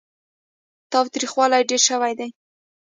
تاوتريخوالی ډېر شوی دی.